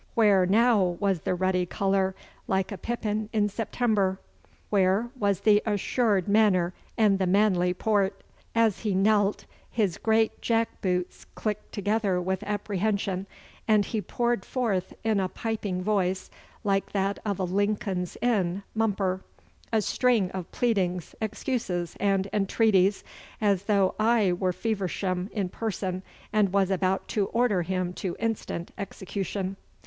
Where now was the ruddy colour like a pippin in September? Where was the assured manner and the manly port? As he knelt his great jack boots clicked together with apprehension, and he poured forth in a piping voice, like that of a Lincoln's Inn mumper, a string of pleadings, excuses, and entreaties, as though I were Feversham in person, and was about to order him to instant execution.